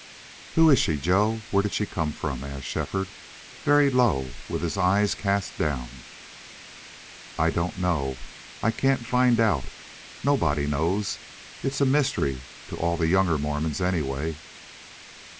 "Who is she, Joe? Where did she come from?" asked Shefford, very low, with his eyes cast down. "I don't know. I can't find out. Nobody knows. It's a mystery to all the younger Mormons, anyway."